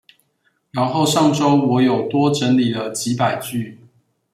然後上週我有多整理了幾百句